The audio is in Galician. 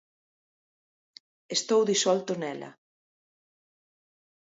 Estou disolto nela.